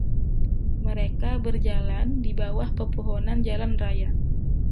Mereka berjalan di bawah pepohonan jalan raya.